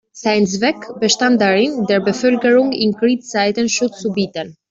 Sein Zweck bestand darin, der Bevölkerung in Kriegszeiten Schutz zu bieten.